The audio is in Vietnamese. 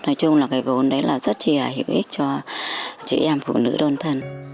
nói chung là cái vốn đấy là rất là hữu ích cho chị em phụ nữ đơn thân